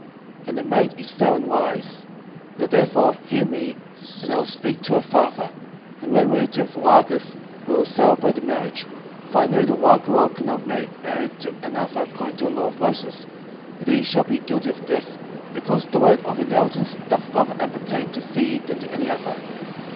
6:12 And the maid is fair and wise: now therefore hear me, and I will speak to her father; and when we return from Rages we will celebrate the marriage: for I know that Raguel cannot marry her to another according to the law of Moses, but he shall be guilty of death, because the right of inheritance doth rather appertain to thee than to any other.